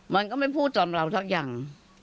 มันก็ไม่พูดจนเราสักอย่าง